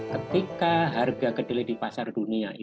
ketika harga kedelai di pasar dunia itu naik